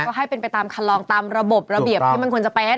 ก็ให้เป็นไปตามคันลองตามระบบระเบียบที่มันควรจะเป็น